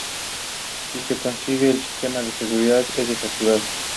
Se trata del inventado por Octavio Bellmunt y Fermín Canella en su obra "Asturias".